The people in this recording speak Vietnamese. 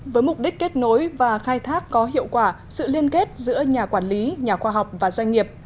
với mục đích kết nối và khai thác có hiệu quả sự liên kết giữa nhà quản lý nhà khoa học và doanh nghiệp